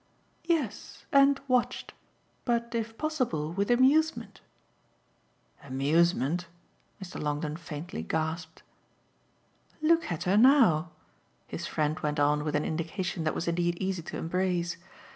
"Yes, and watched. But if possible with amusement." "Amusement?" Mr. Longdon faintly gasped. "Look at her now," his friend went on with an indication that was indeed easy to embrace.